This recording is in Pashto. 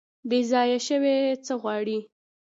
بیځایه شوي څه غواړي؟